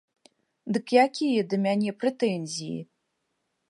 Дык якія да мяне прэтэнзіі?